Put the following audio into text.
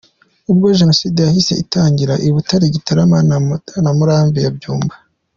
Ubwo Jenoside yahise itangira i Butare, Gitarama na Murambi ya Byumba.